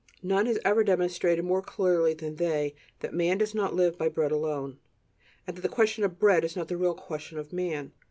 None has ever demonstrated more clearly than they that "man does not live by bread alone," and that the "question of bread" is not the real "question of man."